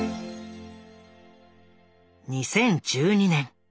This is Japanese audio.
２０１２年。